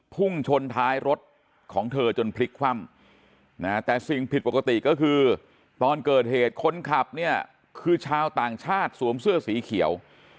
พุ่งชนท้ายรถของเธอจนพลิกคว่ำแต่สิ่งผิดปกติก็คือตอนเกิดเหตุคนขับเนี่ยคือชาวต่างชาติสวมเสื้อสีเขียว